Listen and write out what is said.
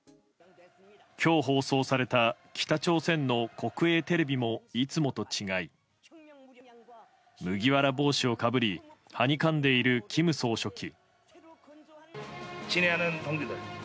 今日放送された北朝鮮の国営テレビもいつもと違い麦わら帽子をかぶりはにかんでいる金総書記。